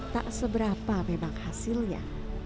tak seberapa memang hasilnya